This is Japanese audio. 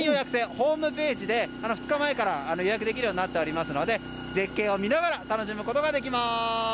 ホームページで２日前から予約できるようになっておりますので絶景を見ながら楽しむことができます。